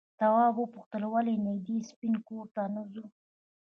تواب وپوښتل ولې نږدې سپین کور ته نه ځو؟